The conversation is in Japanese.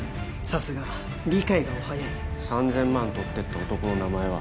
さすが理解がお早い３０００万取ってった男の名前は？